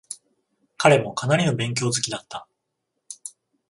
彼もかなりの勉強好きだった。